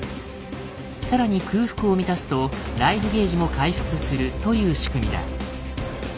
更に空腹を満たすと「ＬＩＦＥ」ゲージも回復するという仕組みだ。